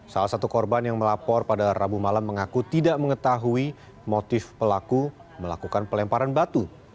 salah satu korban yang melapor pada rabu malam mengaku tidak mengetahui motif pelaku melakukan pelemparan batu